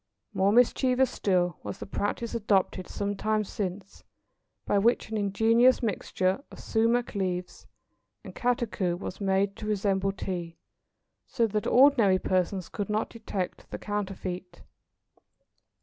More mischievous still was the practice adopted some time since by which an ingenious mixture of sumach leaves and catechu was made to resemble Tea, so that ordinary persons could not detect the counterfeit.